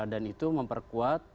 dan itu memperkuat